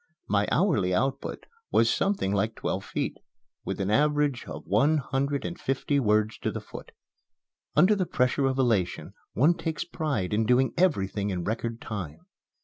My hourly output was something like twelve feet, with an average of one hundred and fifty words to the foot. Under the pressure of elation one takes pride in doing everything in record time.